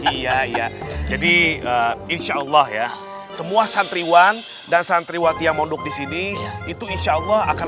iya iya jadi insyaallah ya semua santriwan dan santriwati yang mondok disini itu insyaallah akan